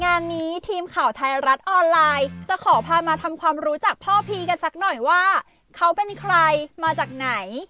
งานนี้ทีมข่าวไทยรัฐออนไลน์จะขอพามาทำความรู้จักพ่อพีกันสักหน่อยว่าเขาเป็นใครมาจากไหน